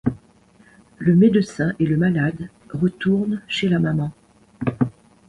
Le médecin et le malade retournent chez la maman.